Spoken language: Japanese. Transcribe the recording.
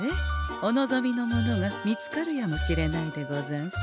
お望みのものが見つかるやもしれないでござんす。